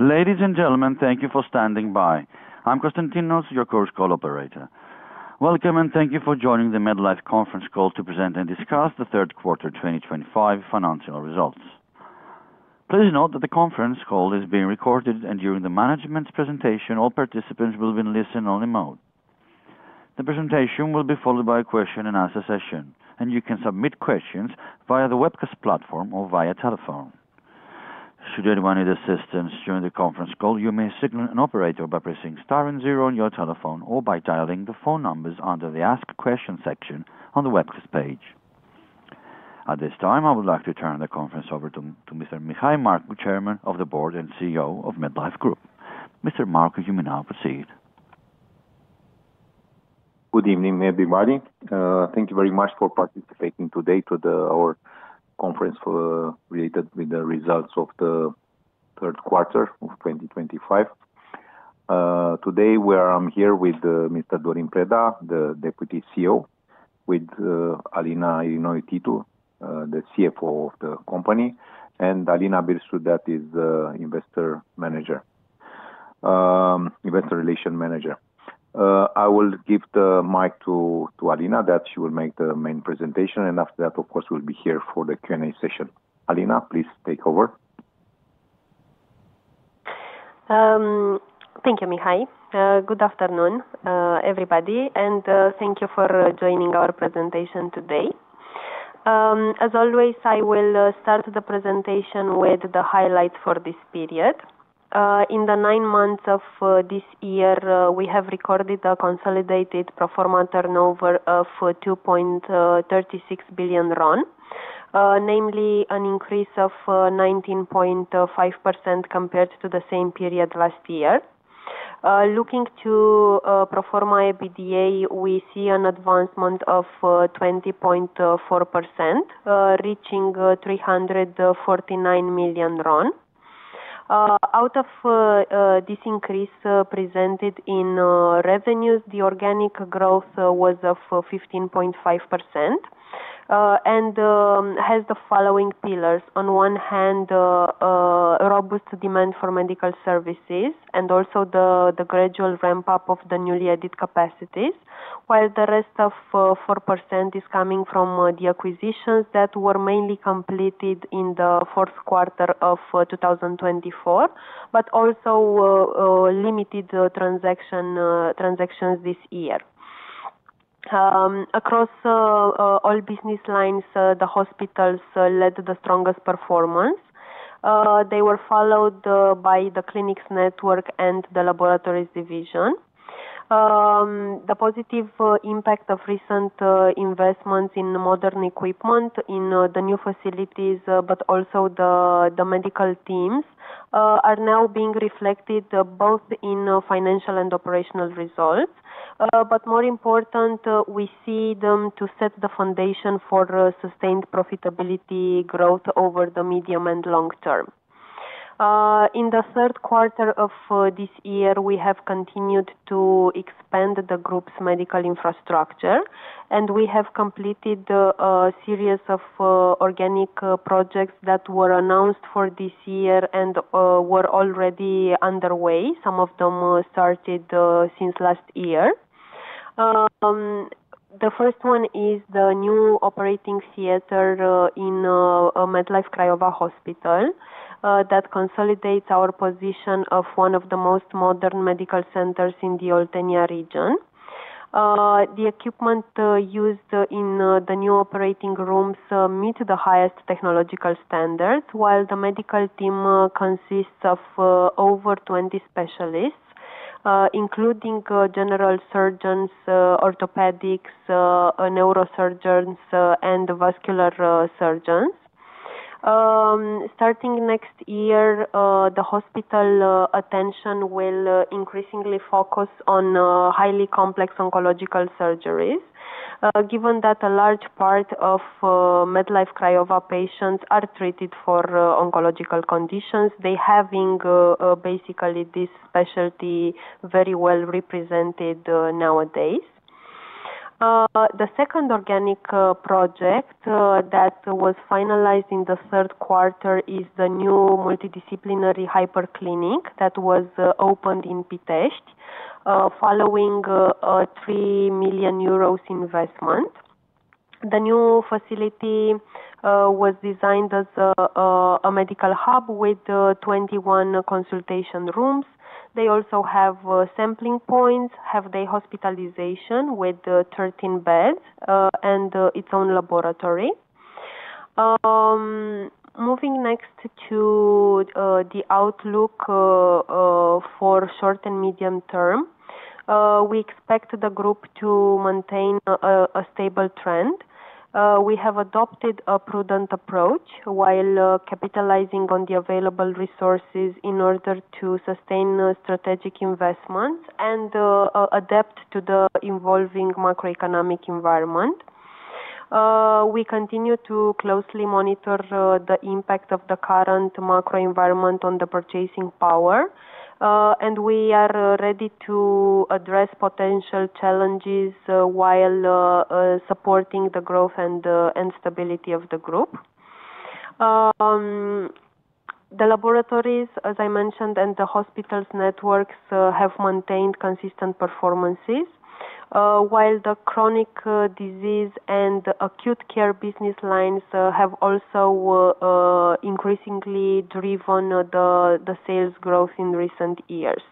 Ladies and gentlemen, thank you for standing by. I'm Konstantinos, your Chorus Call operator. Welcome, and thank you for joining the MedLife conference call to present and discuss the third quarter 2025 financial results. Please note that the conference call is being recorded, and during the management's presentation, all participants will be in listen-only mode. The presentation will be followed by a question-and-answer session, and you can submit questions via the webcast platform or via telephone. Should you ever need assistance during the conference call, you may signal an operator by pressing star and zero on your telephone or by dialing the phone numbers under the Ask Questions section on the webcast page. At this time, I would like to turn the conference over to Mr. Mihail Marcu, Chairman of the Board and CEO of MedLife Group. Mr. Marcu, you may now proceed. Good evening, everybody. Thank you very much for participating today to our conference related to the results of the third quarter of 2025. Today, I'm here with Mr. Dorin Preda, the Deputy CEO, with Alina Irinoiu, the CFO of the company, and [Ioana] Birsu, that is the Investor Relations Manager. I will give the mic to Alina that she will make the main presentation, and after that, of course, we'll be here for the Q&A session. Alina, please take over. Thank you, Mihail. Good afternoon, everybody, and thank you for joining our presentation today. As always, I will start the presentation with the highlights for this period. In the nine months of this year, we have recorded a consolidated pro forma turnover of RON 2.36 billion, namely an increase of 19.5% compared to the same period last year. Looking to pro forma EBITDA, we see an advancement of 20.4%, reaching RON 349 million. Out of this increase presented in revenues, the organic growth was of 15.5% and has the following pillars: on one hand, robust demand for medical services, and also the gradual ramp-up of the newly added capacities, while the rest of 4% is coming from the acquisitions that were mainly completed in the fourth quarter of 2024, but also limited transactions this year. Across all business lines, the hospitals led the strongest performance. They were followed by the clinics network and the laboratories division. The positive impact of recent investments in modern equipment in the new facilities, but also the medical teams, are now being reflected both in financial and operational results. More important, we see them to set the foundation for sustained profitability growth over the medium and long term. In the third quarter of this year, we have continued to expand the group's medical infrastructure, and we have completed a series of organic projects that were announced for this year and were already underway. Some of them started since last year. The first one is the new operating theater in MedLife Craiova Hospital that consolidates our position of one of the most modern medical centers in the Oltenia region. The equipment used in the new operating rooms meets the highest technological standards, while the medical team consists of over 20 specialists, including general surgeons, orthopedics, neurosurgeons, and vascular surgeons. Starting next year, the hospital attention will increasingly focus on highly complex oncological surgeries. Given that a large part of MedLife Craiova patients are treated for oncological conditions, they have, basically, this specialty very well represented nowadays. The second organic project that was finalized in the third quarter is the new multidisciplinary hyperclinic that was opened in Pitești following a 3 million euros investment. The new facility was designed as a medical hub with 21 consultation rooms. They also have sampling points, have day hospitalization with 13 beds, and its own laboratory. Moving next to the outlook for short and medium term, we expect the group to maintain a stable trend. We have adopted a prudent approach while capitalizing on the available resources in order to sustain strategic investments and adapt to the evolving macroeconomic environment. We continue to closely monitor the impact of the current macroenvironment on the purchasing power, and we are ready to address potential challenges while supporting the growth and stability of the group. The laboratories, as I mentioned, and the hospitals' networks have maintained consistent performances, while the chronic disease and acute care business lines have also increasingly driven the sales growth in recent years.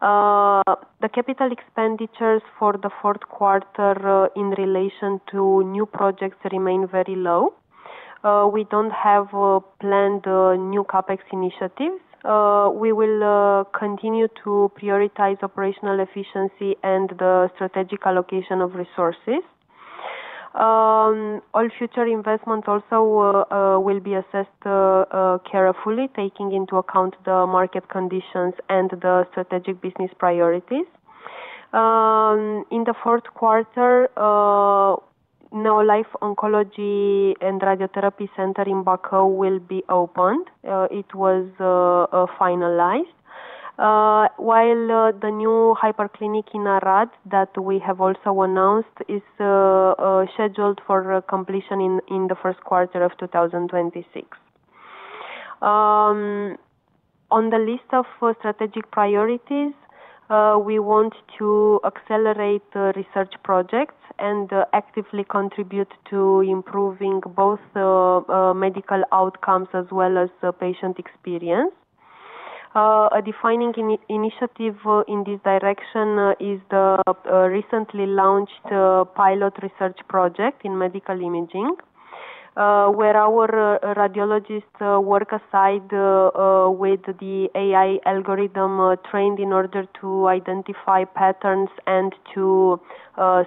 The capital expenditures for the fourth quarter in relation to new projects remain very low. We do not have planned new CapEx initiatives. We will continue to prioritize operational efficiency and the strategic allocation of resources. All future investments also will be assessed carefully, taking into account the market conditions and the strategic business priorities. In the fourth quarter, Neolife Oncology and Radiotherapy Center in Bacău will be opened. It was finalized, while the new hyperclinic in Arad that we have also announced is scheduled for completion in the first quarter of 2026. On the list of strategic priorities, we want to accelerate research projects and actively contribute to improving both medical outcomes as well as patient experience. A defining initiative in this direction is the recently launched pilot research project in medical imaging, where our radiologists work aside with the AI algorithm trained in order to identify patterns and to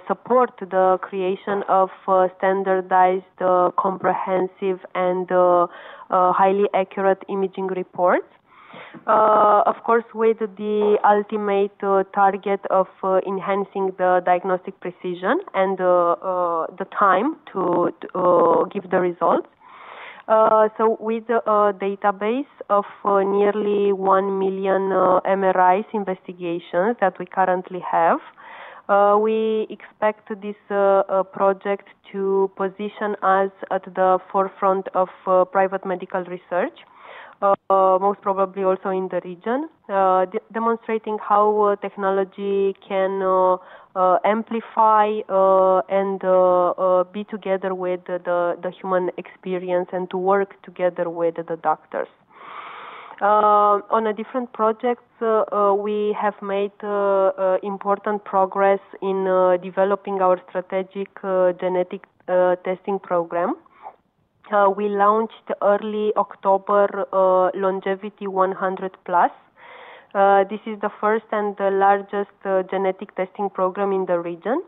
support the creation of standardized, comprehensive, and highly accurate imaging reports. Of course, with the ultimate target of enhancing the diagnostic precision and the time to give the results. With a database of nearly 1 million MRI investigations that we currently have, we expect this project to position us at the forefront of private medical research, most probably also in the region, demonstrating how technology can amplify and be together with the human experience and to work together with the doctors. On a different project, we have made important progress in developing our strategic genetic testing program. We launched early October Longevity 100+. This is the first and largest genetic testing program in the region.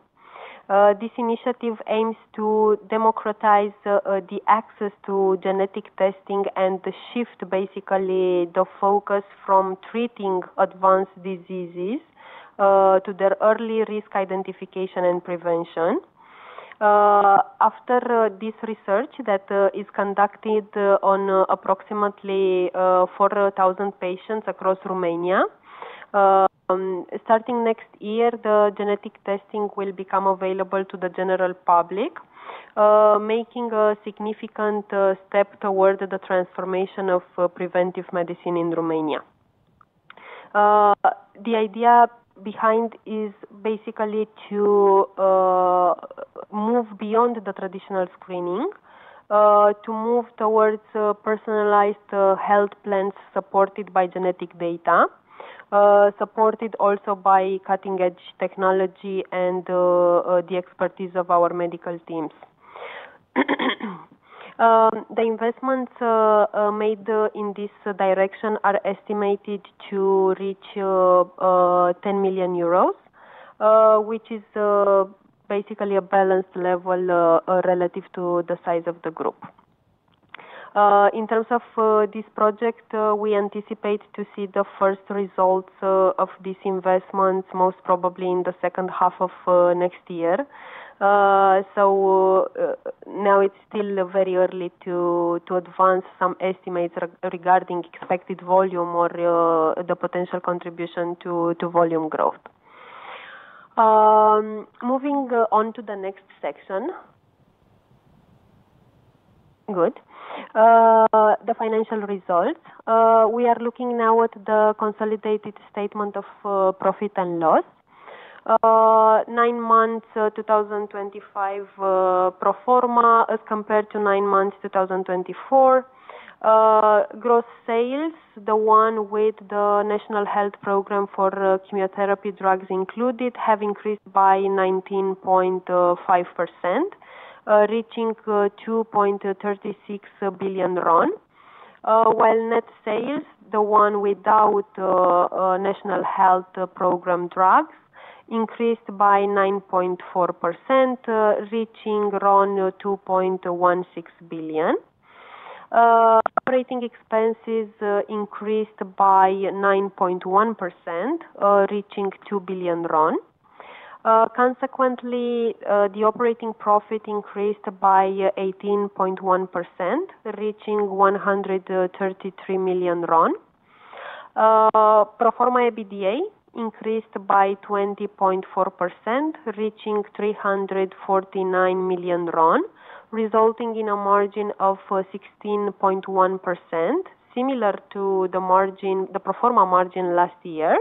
This initiative aims to democratize the access to genetic testing and shift, basically, the focus from treating advanced diseases to their early risk identification and prevention. After this research that is conducted on approximately 4,000 patients across Romania, starting next year, the genetic testing will become available to the general public, making a significant step toward the transformation of preventive medicine in Romania. The idea behind is basically to move beyond the traditional screening, to move towards personalized health plans supported by genetic data, supported also by cutting-edge technology and the expertise of our medical teams. The investments made in this direction are estimated to reach 10 million euros, which is basically a balanced level relative to the size of the group. In terms of this project, we anticipate to see the first results of these investments, most probably in the second half of next year. Now it's still very early to advance some estimates regarding expected volume or the potential contribution to volume growth. Moving on to the next section. Good. The financial results. We are looking now at the consolidated statement of profit and loss. Nine months 2025 pro forma as compared to nine months 2024. Gross sales, the one with the National Health Program for Chemotherapy Drugs included, have increased by 19.5%, reaching RON 2.36 billion, while net sales, the one without National Health Program drugs, increased by 9.4%, reaching RON 2.16 billion. Operating expenses increased by 9.1%, reaching RON 2 billion. Consequently, the operating profit increased by 18.1%, reaching RON 133 million. Pro forma EBITDA increased by 20.4%, reaching RON 349 million, resulting in a margin of 16.1%, similar to the pro forma margin last year.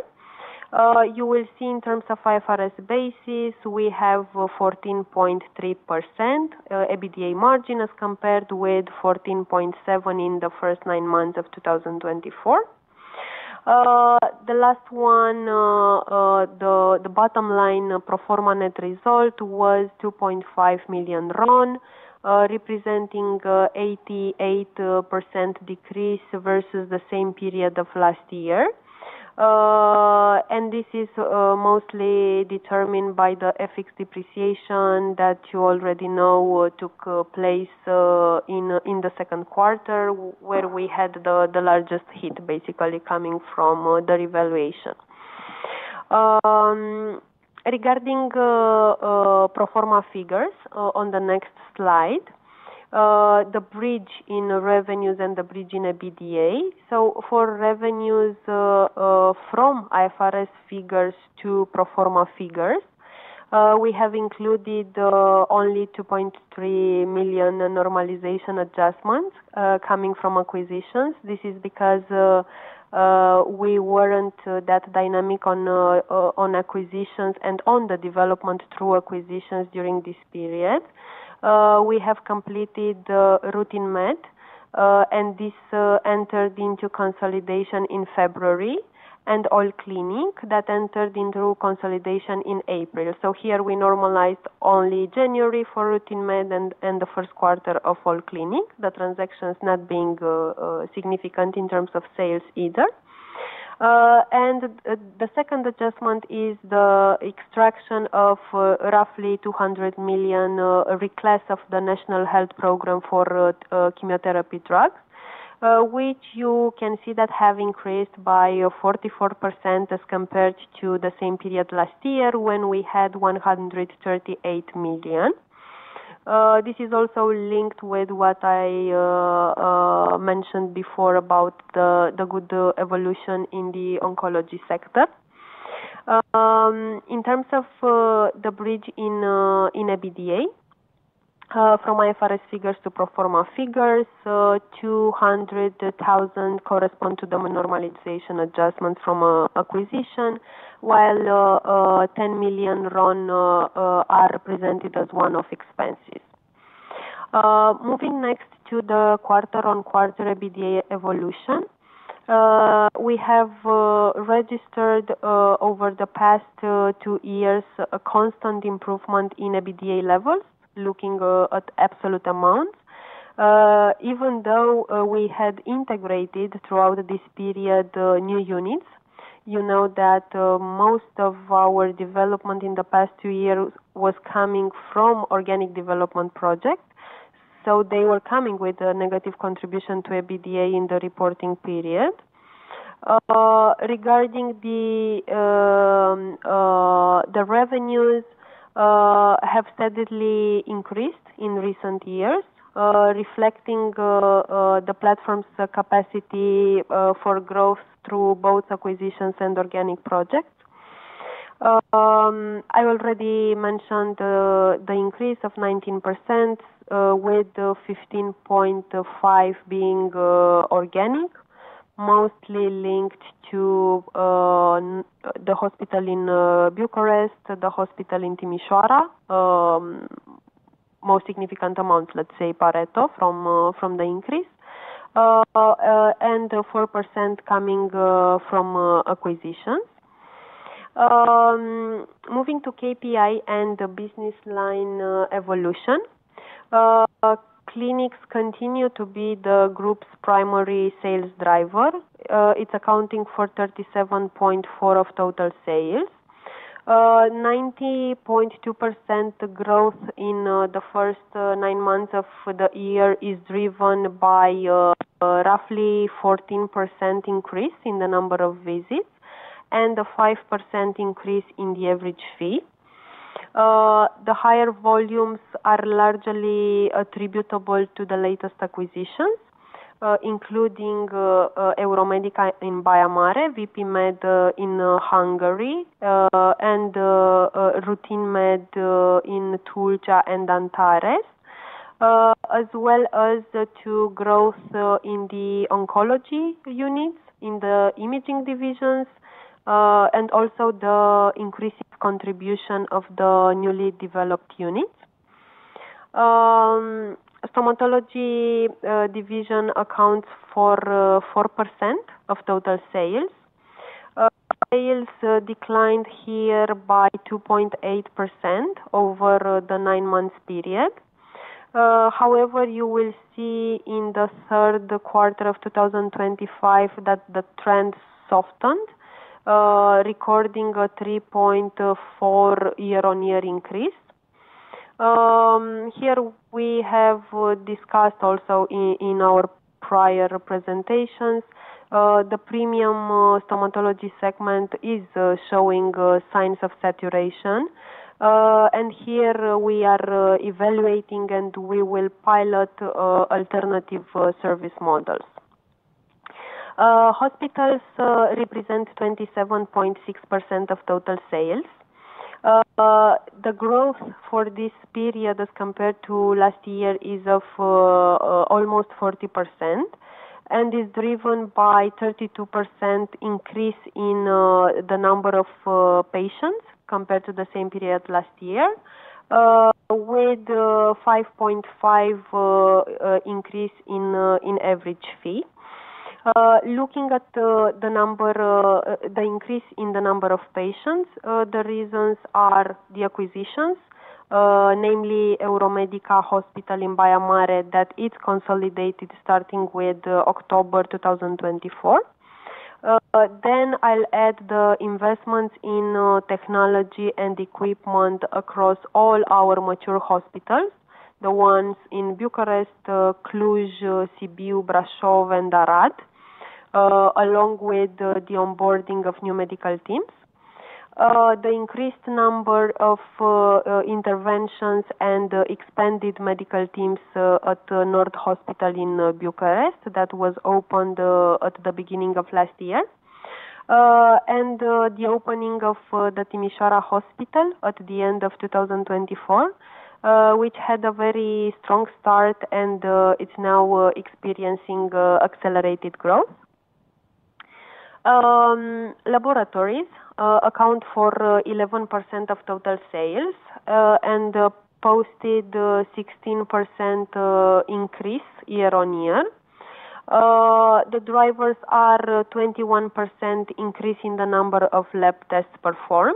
You will see in terms of IFRS basis, we have 14.3% EBITDA margin as compared with 14.7% in the first nine months of 2024. The last one, the bottom line pro forma net result was RON 2.5 million, representing an 88% decrease versus the same period of last year. This is mostly determined by the FX depreciation that you already know took place in the second quarter, where we had the largest hit, basically coming from the revaluation. Regarding pro forma figures on the next slide, the bridge in revenues and the bridge in EBITDA. For revenues from IFRS figures to pro forma figures, we have included only RON 2.3 million normalization adjustments coming from acquisitions. This is because we were not that dynamic on acquisitions and on the development through acquisitions during this period. We have completed Routine Med, and this entered into consolidation in February, and All Clinic that entered into consolidation in April. Here we normalized only January for Routine Med and the first quarter of All Clinic, the transactions not being significant in terms of sales either. The second adjustment is the extraction of roughly RON 200 million requests of the National Health Program for chemotherapy drugs, which you can see have increased by 44% as compared to the same period last year when we had RON 138 million. This is also linked with what I mentioned before about the good evolution in the oncology sector. In terms of the bridge in EBITDA, from IFRS figures to pro forma figures, RON 200,000 correspond to the normalization adjustments from acquisition, while RON 10 million are presented as one-off expenses. Moving next to the quarter-on-quarter EBITDA evolution, we have registered over the past two years a constant improvement in EBITDA levels, looking at absolute amounts. Even though we had integrated throughout this period new units, you know that most of our development in the past two years was coming from organic development projects, so they were coming with a negative contribution to EBITDA in the reporting period. Regarding the revenues, they have steadily increased in recent years, reflecting the platform's capacity for growth through both acquisitions and organic projects. I already mentioned the increase of 19%, with 15.5% being organic, mostly linked to the hospital in Bucharest, the hospital in Timișoara, most significant amount, let's say, [Pareto] from the increase, and 4% coming from acquisitions. Moving to KPI and business line evolution, clinics continue to be the group's primary sales driver. It's accounting for 37.4% of total sales. 90.2% growth in the first nine months of the year is driven by roughly 14% increase in the number of visits and a 5% increase in the average fee. The higher volumes are largely attributable to the latest acquisitions, including Euromedica in Baia Mare, VP-Med in Hungary, and Routine Med in Tulcea and Antares, as well as to growth in the oncology units in the imaging divisions and also the increasing contribution of the newly developed units. Stomatology division accounts for 4% of total sales. Sales declined here by 2.8% over the nine-month period. However, you will see in the third quarter of 2025 that the trend softened, recording a 3.4% year-on-year increase. Here we have discussed also in our prior presentations, the premium stomatology segment is showing signs of saturation, and here we are evaluating and we will pilot alternative service models. Hospitals represent 27.6% of total sales. The growth for this period as compared to last year is of almost 40% and is driven by a 32% increase in the number of patients compared to the same period last year, with a 5.5% increase in average fee. Looking at the increase in the number of patients, the reasons are the acquisitions, namely Euromedica Hospital in Baia Mare that it consolidated starting with October 2024. I will add the investments in technology and equipment across all our mature hospitals, the ones in Bucharest, Cluj, Sibiu, Brașov, and Arad, along with the onboarding of new medical teams. The increased number of interventions and expanded medical teams at Nord Hospital in Bucharest that was opened at the beginning of last year, and the opening of the Timișoara Hospital at the end of 2024, which had a very strong start and is now experiencing accelerated growth. Laboratories account for 11% of total sales and posted a 16% increase year-on-year. The drivers are a 21% increase in the number of lab tests performed,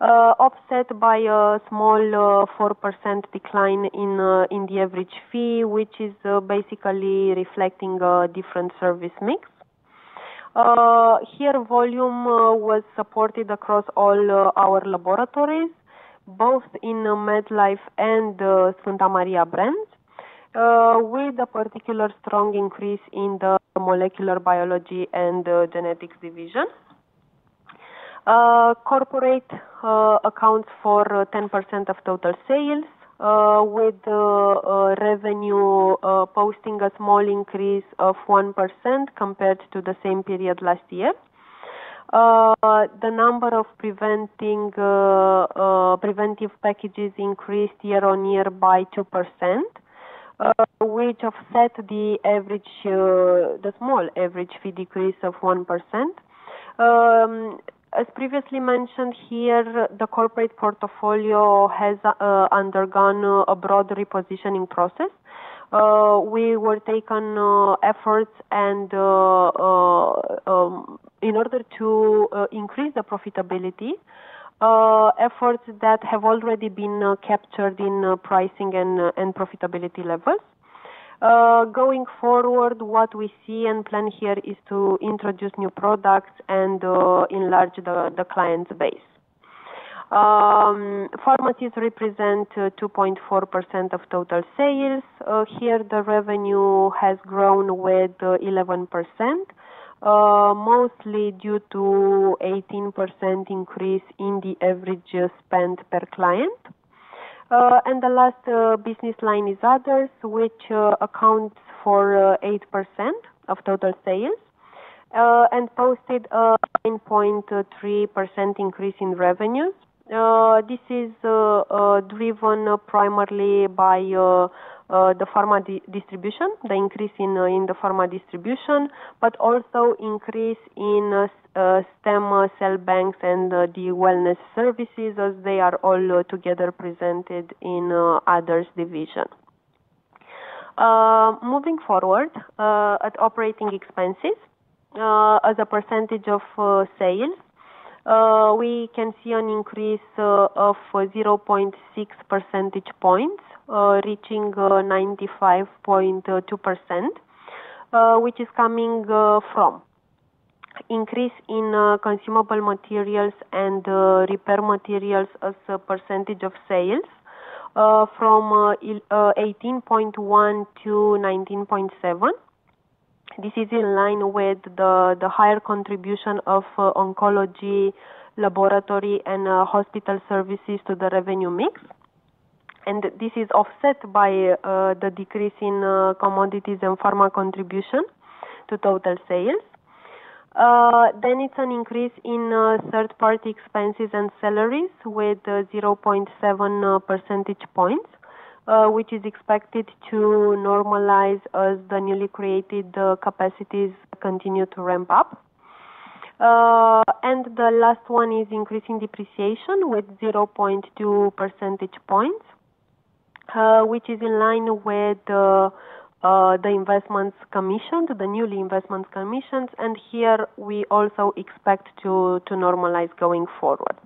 offset by a small 4% decline in the average fee, which is basically reflecting a different service mix. Here, volume was supported across all our laboratories, both in MedLife and Sfânta Maria brand, with a particular strong increase in the molecular biology and genetic division. Corporate accounts for 10% of total sales, with revenue posting a small increase of 1% compared to the same period last year. The number of preventive packages increased year-on-year by 2%, which offset the small average fee decrease of 1%. As previously mentioned here, the corporate portfolio has undergone a broad repositioning process. We were taking efforts in order to increase the profitability, efforts that have already been captured in pricing and profitability levels. Going forward, what we see and plan here is to introduce new products and enlarge the client base. Pharmacies represent 2.4% of total sales. Here, the revenue has grown with 11%, mostly due to an 18% increase in the average spend per client. The last business line is others, which accounts for 8% of total sales and posted a 9.3% increase in revenues. This is driven primarily by the pharma distribution, the increase in the pharma distribution, but also an increase in STEM cell banks and the wellness services as they are all together presented in others' division. Moving forward, at operating expenses, as a percentage of sales, we can see an increase of 0.6 percentage points, reaching 95.2%, which is coming from an increase in consumable materials and repair materials as a percentage of sales from 18.1% to 19.7%. This is in line with the higher contribution of oncology, laboratory, and hospital services to the revenue mix. This is offset by the decrease in commodities and pharma contribution to total sales. There is an increase in third-party expenses and salaries with 0.7 percentage points, which is expected to normalize as the newly created capacities continue to ramp up. The last one is increasing depreciation with 0.2 percentage points, which is in line with the newly investment commissions. Here, we also expect to normalize going forward.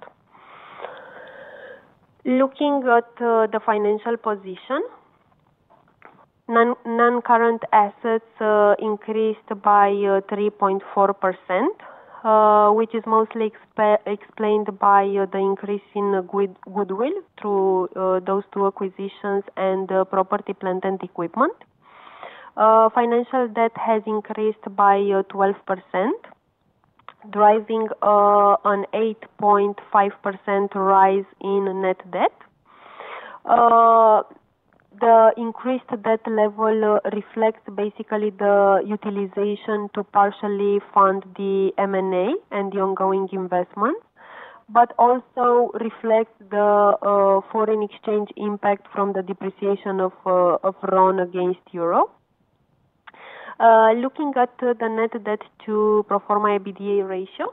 Looking at the financial position, non-current assets increased by 3.4%, which is mostly explained by the increase in goodwill through those two acquisitions and property, plant, and equipment. Financial debt has increased by 12%, driving an 8.5% rise in net debt. The increased debt level reflects basically the utilization to partially fund the M&A and the ongoing investment, but also reflects the foreign exchange impact from the depreciation of RON against EUR. Looking at the net debt to pro forma EBITDA ratio,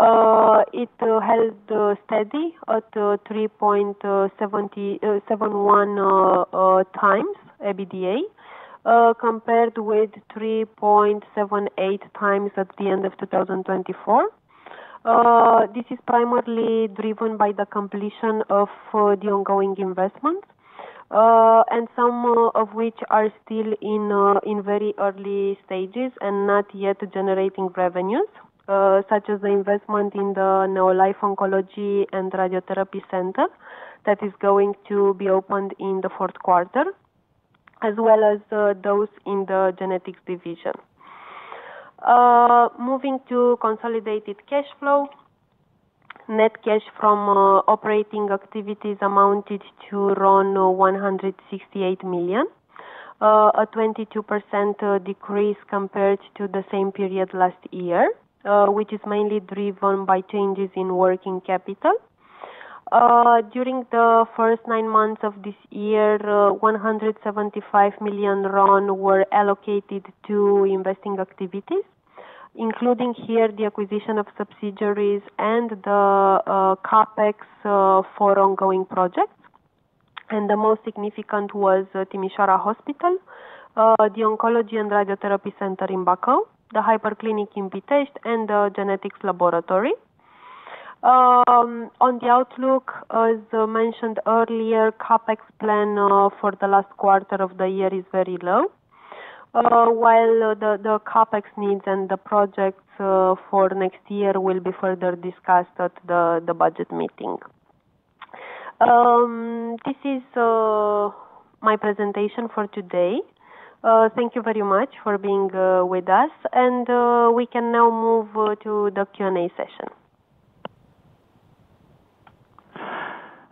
it held steady at 3.71x EBITDA compared with 3.78x at the end of 2024. This is primarily driven by the completion of the ongoing investments, and some of which are still in very early stages and not yet generating revenues, such as the investment in the Neolife Oncology and Radiotherapy Center that is going to be opened in the fourth quarter, as well as those in the genetics division. Moving to consolidated cash flow, net cash from operating activities amounted to RON 168 million, a 22% decrease compared to the same period last year, which is mainly driven by changes in working capital. During the first nine months of this year, RON 175 million were allocated to investing activities, including here the acquisition of subsidiaries and the CapEx for ongoing projects. The most significant was Timișoara Hospital, the Oncology and Radiotherapy Center in Bacău, the hyperclinic in Pitești, and the Genetics Laboratory. On the outlook, as mentioned earlier, CapEx plan for the last quarter of the year is very low, while the CapEx needs and the projects for next year will be further discussed at the budget meeting. This is my presentation for today. Thank you very much for being with us, and we can now move to the Q&A session.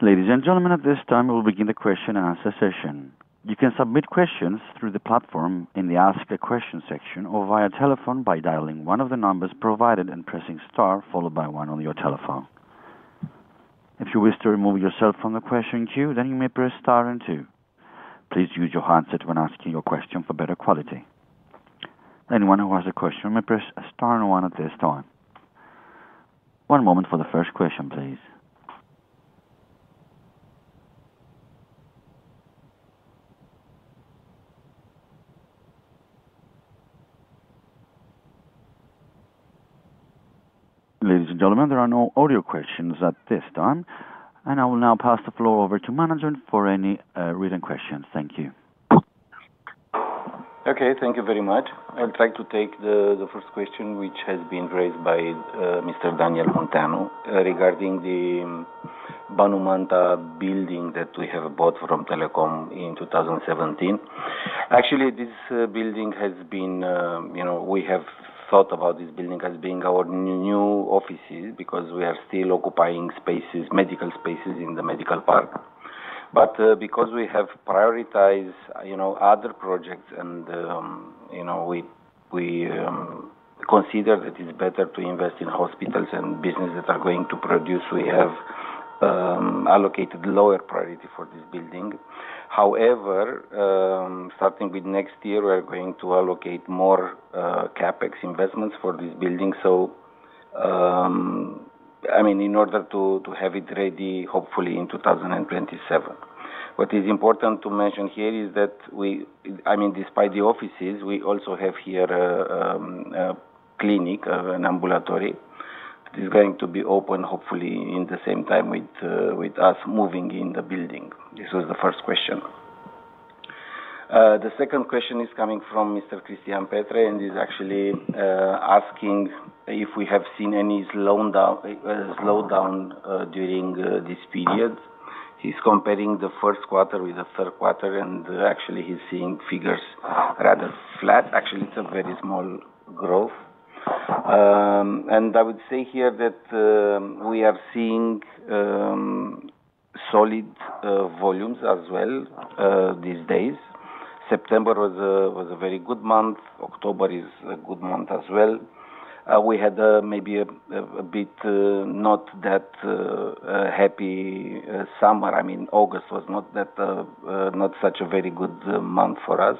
Ladies and gentlemen, at this time, we'll begin the question and answer session. You can submit questions through the platform in the Ask a Question section or via telephone by dialing one of the numbers provided and pressing star followed by one on your telephone. If you wish to remove yourself from the question queue, then you may press star and two. Please use your handset when asking your question for better quality. Anyone who has a question may press star and one at this time. One moment for the first question, please. Ladies and gentlemen, there are no audio questions at this time, and I will now pass the floor over to management for any written questions. Thank you. Okay. Thank you very much. I'd like to take the first question, which has been raised by Mr. Daniel Montano regarding the Banu Manta building that we have bought from Telecom in 2017. Actually, this building has been—we have thought about this building as being our new offices because we are still occupying medical spaces in the Medical Park. Because we have prioritized other projects and we consider that it's better to invest in hospitals and businesses that are going to produce, we have allocated lower priority for this building. However, starting with next year, we are going to allocate more CapEx investments for this building, so I mean, in order to have it ready, hopefully, in 2027. What is important to mention here is that, despite the offices, we also have here a clinic, an ambulatory that is going to be open, hopefully, at the same time with us moving in the building. This was the first question. The second question is coming from Mr. Cristian Petre, and he's actually asking if we have seen any slowdown during this period. He's comparing the first quarter with the third quarter, and actually, he's seeing figures rather flat. Actually, it's a very small growth. I would say here that we are seeing solid volumes as well these days. September was a very good month. October is a good month as well. We had maybe a bit not that happy summer. I mean, August was not such a very good month for us.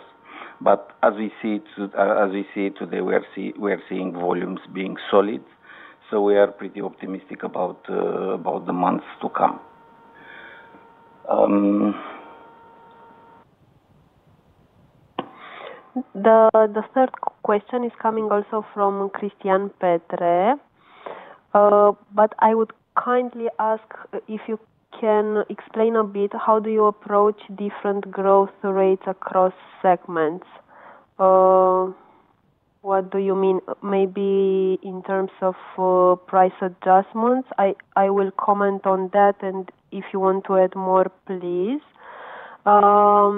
As we see today, we are seeing volumes being solid, so we are pretty optimistic about the months to come. The third question is coming also from Cristian Petre, but I would kindly ask if you can explain a bit how do you approach different growth rates across segments. What do you mean? Maybe in terms of price adjustments. I will comment on that, and if you want to add more, please.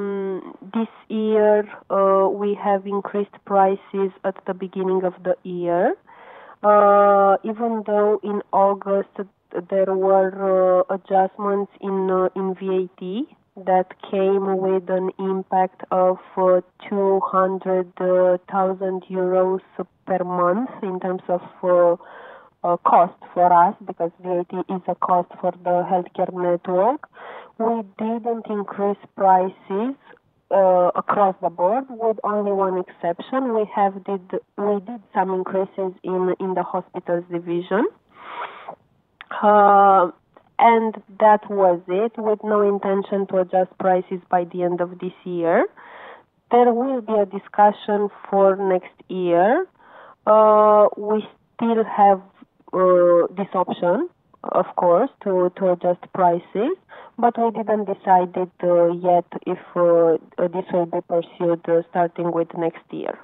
This year, we have increased prices at the beginning of the year, even though in August, there were adjustments in VAT that came with an impact of 200,000 euros per month in terms of cost for us because VAT is a cost for the healthcare network. We did not increase prices across the board with only one exception. We did some increases in the hospitals division, and that was it, with no intention to adjust prices by the end of this year. There will be a discussion for next year. We still have this option, of course, to adjust prices, but we did not decide yet if this will be pursued starting with next year.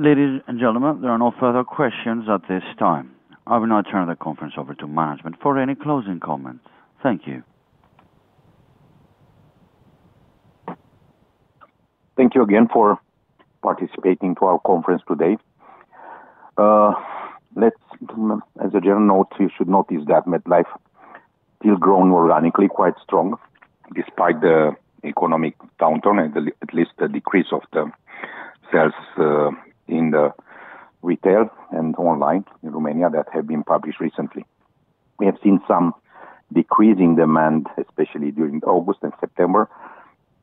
Ladies and gentlemen, there are no further questions at this time. I will now turn the conference over to management for any closing comments. Thank you. Thank you again for participating in our conference today. As a general note, you should notice that MedLife is still growing organically quite strong despite the economic downturn and at least the decrease of the sales in the retail and online in Romania that have been published recently. We have seen some decrease in demand, especially during August and September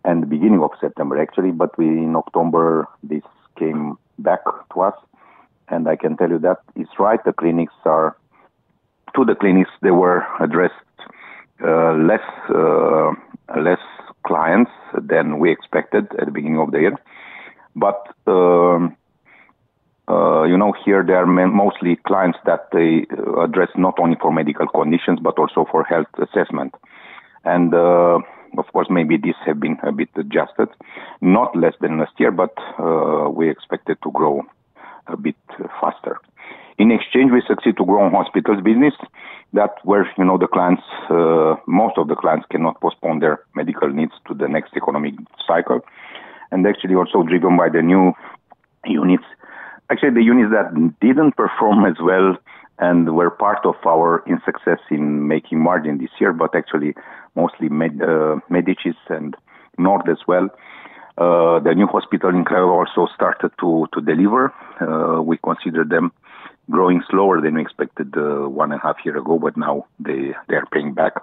and the beginning of September, actually. In October, this came back to us, and I can tell you that it's right. To the clinics, there were addressed less clients than we expected at the beginning of the year. Here, there are mostly clients that they address not only for medical conditions but also for health assessment. Of course, maybe this has been a bit adjusted, not less than last year, but we expect it to grow a bit faster. In exchange, we succeeded to grow hospitals business that where most of the clients cannot postpone their medical needs to the next economic cycle. Actually, also driven by the new units—actually, the units that did not perform as well and were part of our success in making margin this year, but actually mostly Medici and Nord as well—the new hospital in Craiova also started to deliver. We considered them growing slower than we expected one and a half years ago, but now they are paying back.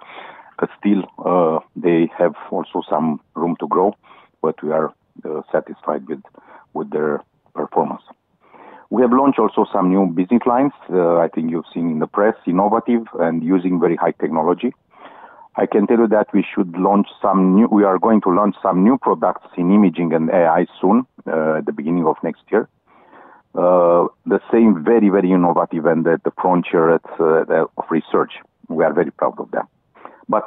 They have also some room to grow, but we are satisfied with their performance. We have launched also some new business lines. I think you have seen in the press, innovative and using very high technology. I can tell you that we should launch some new—we are going to launch some new products in imaging and AI soon at the beginning of next year. The same, very, very innovative and at the frontier of research. We are very proud of them.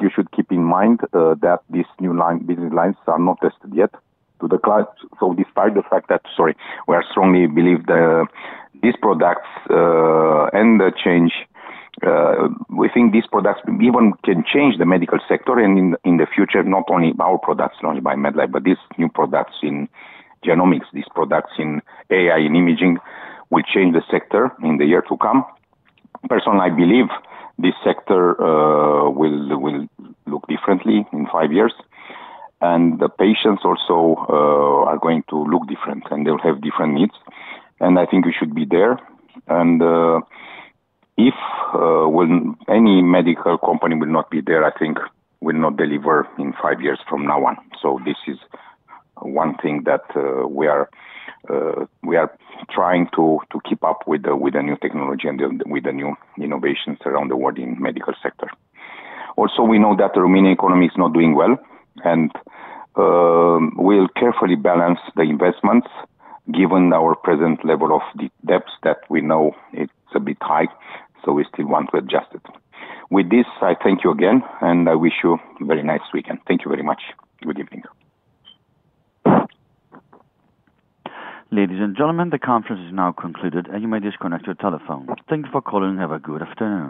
You should keep in mind that these new business lines are not tested yet to the client. Despite the fact that—sorry—we strongly believe that these products and the change—we think these products even can change the medical sector. In the future, not only our products launched by MedLife, but these new products in genomics, these products in AI and imaging will change the sector in the year to come. Personally, I believe this sector will look differently in five years, and the patients also are going to look different, and they'll have different needs. I think we should be there. If any medical company will not be there, I think we'll not deliver in five years from now on. This is one thing that we are trying to keep up with, the new technology and with the new innovations around the world in the medical sector. Also, we know that the Romanian economy is not doing well, and we'll carefully balance the investments given our present level of debts that we know is a bit high, so we still want to adjust it. With this, I thank you again, and I wish you a very nice weekend. Thank you very much. Good evening. Ladies and gentlemen, the conference is now concluded, and you may disconnect your telephone. Thank you for calling. Have a good afternoon.